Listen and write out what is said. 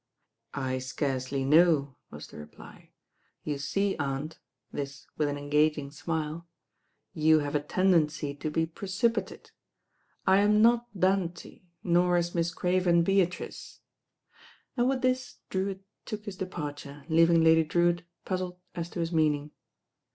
"I scarcely know," was the reply. "You see, aunt," this with an enga^ng smile, "you have a ten dency to be precipitate. I am not Dante, nor is Miss Craven Beatrice," and with this Drewitt took his de parture, leaving Lady Drewitt puzzled as to his meaning.